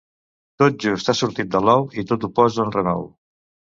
Tot just ha sortit de l'ou i tot ho posa en renou.